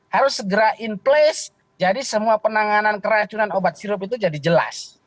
harus segera in place jadi semua penanganan keracunan obat sirup itu jadi jelas